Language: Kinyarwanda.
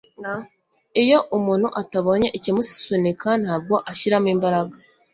iyo umuntu atabonye ikimusunika ntabwo ashyiramo imbaraga